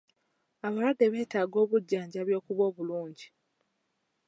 Abalwadde beetaaga obujjanjabi okuba obulungi.